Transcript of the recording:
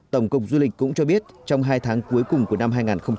tổng cục du lịch cũng cho biết trong hai tháng cuối cùng của năm hai nghìn một mươi sáu